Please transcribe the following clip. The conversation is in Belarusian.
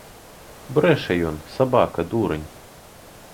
Брэша ён, сабака, дурань.